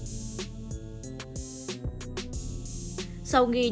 sau ghi những hình ảnh